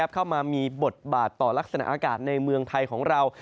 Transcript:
เข้ามามีบทบาทต่อลักษณะอากาศในเมืองไทยของเรา